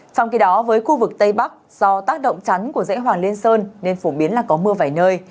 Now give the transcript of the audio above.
trong khi đó với khu vực tây bắc do tác động chắn của dãy hoàng lên sơn nên phổ biến là có mưa vài nơi